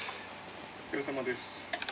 お疲れさまです